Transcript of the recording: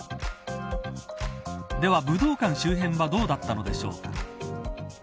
では、武道館周辺はどうだったのでしょうか。